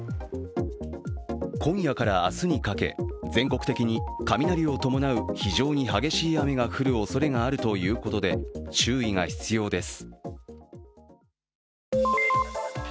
今夜から明日にかけ全国的に雷を伴う非常に激しい雨が降るおそれがあるということで注意が必要です。